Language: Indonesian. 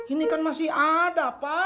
ini kan masih ada pak